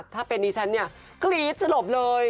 ถ้าเป็นดิฉันเนี่ยกรี๊ดสลบเลย